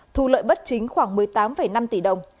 thu lợi bất chính khoảng một mươi tám năm tỷ đồng